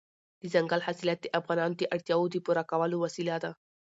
دځنګل حاصلات د افغانانو د اړتیاوو د پوره کولو وسیله ده.